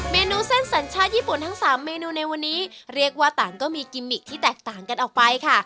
เมนูเส้นสัญชาติญี่ปุ่นทั้งสามเมนูในวันนี้เรียกว่าต่างก็มีกิมมิกที่แตกต่างกันออกไปค่ะ